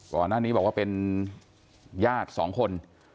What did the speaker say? ก่อนหน้านี้บอกว่าเป็นญาติสองคน